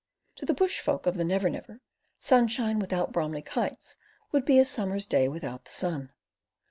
To the bush folk of the Never Never, sunshine without Bromli kites would be as a summer's day without the sun.